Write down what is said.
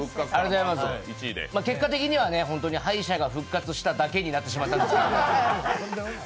結果的には敗者が復活しただけになってしまいましたが。